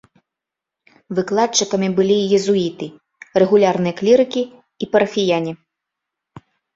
Выкладчыкамі былі езуіты, рэгулярныя клірыкі і парафіяне.